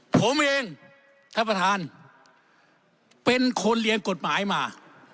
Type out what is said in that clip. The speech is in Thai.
ผมเองท่านประธานเป็นคนเรียนกฎหมายมา